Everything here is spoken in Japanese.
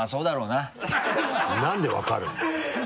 なんで分かるんだ？